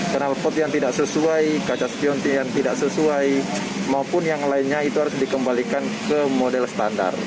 kenalpot yang tidak sesuai kaca spionti yang tidak sesuai maupun yang lainnya itu harus dikembalikan ke model standar